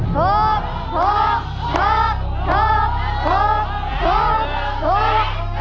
หกหกหกหกหกหกหก